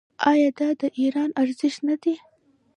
آیا دا د ایران ارزښت نه دی؟